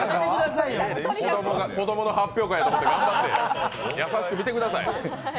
子供の発表会みたいなので優しく見てください。